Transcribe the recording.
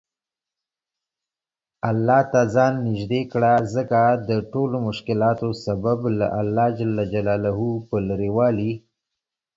الله ته ځان نیژدې کړه ځکه دټولومشکلاتو سبب له الله ج په لرې والي